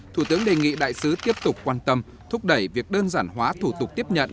thủ tướng đề nghị đại sứ tiếp tục quan tâm thúc đẩy việc đơn giản hóa thủ tục tiếp nhận